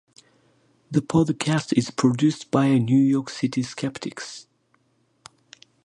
The podcast is produced by the New York City Skeptics.